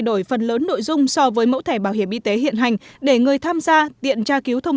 đổi phần lớn nội dung so với mẫu thẻ bảo hiểm y tế hiện hành để người tham gia tiện tra cứu thông